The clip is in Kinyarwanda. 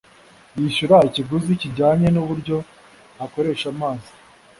yishyura ikiguzi kijyanye n’uburyo akoresha amazi